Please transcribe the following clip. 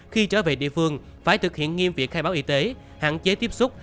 khi trở về địa phương phải thực hiện nghiêm việc khai báo y tế hạn chế tiếp xúc